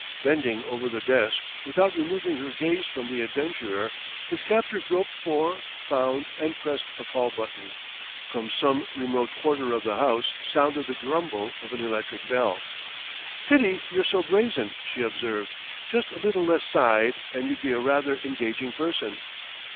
Bending over the desk, without removing her gaze from the adventurer, his captor groped for, found, and pressed a call button. From some remote quarter of the house sounded the grumble of an electric bell. "Pity you're so brazen," she observed. "Just a little less side, and you'd be a rather engaging person!"